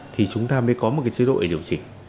thì chúng ta mới có một cái chế độ để điều chỉnh